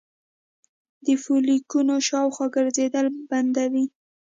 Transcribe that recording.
د فولیکونو شاوخوا ګرځیدل بندوي